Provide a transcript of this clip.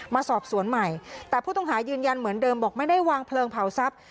มาสอบสวนใหม่แต่ผู้ต้องหายืนยันเหมือนเดิมบอกไม่ได้วางเพลิงเผาทรัพย์